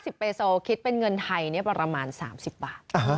เปโซคิดเป็นเงินไทยประมาณ๓๐บาท